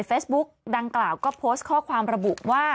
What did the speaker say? ในเฟซบุ๊คดังกล่าวก็โพสต์ข้อความระบุว่า